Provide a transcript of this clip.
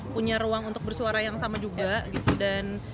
punya ruang untuk bersuara yang sama juga gitu dan